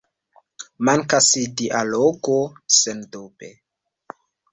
Mankas dialogo, sendube!